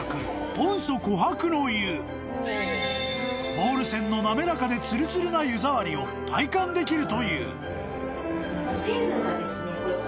［モール泉の滑らかでツルツルな湯触りを体感できるという］